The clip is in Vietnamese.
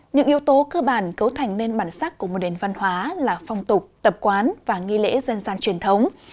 những yếu tố cơ bản cấu thành nên bản sắc của một nền văn hóa là phong tục tập quán và nghi lễ dân gian truyền thống